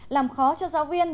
làm khó cho giáo viên